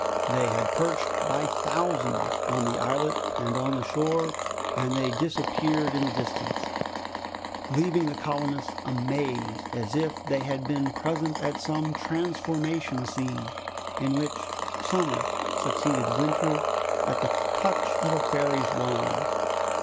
They had perched by thousands on the islet and on the shore, and they disappeared in the distance, leaving the colonists amazed as if they had been present at some transformation scene, in which summer succeeded winter at the touch of a fairy's wand.